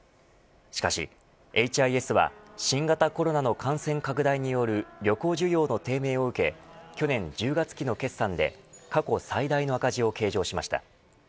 しかしＨＩＳは新型コロナの感染拡大による旅行需要の低迷を受け去年１０月期の決算で過去最大の赤字を計上しました。